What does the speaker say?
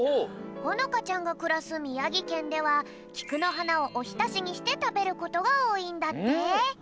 ほのかちゃんがくらすみやぎけんではきくのはなをおひたしにしてたべることがおおいんだって。